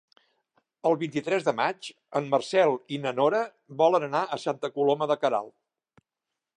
El vint-i-tres de maig en Marcel i na Nora volen anar a Santa Coloma de Queralt.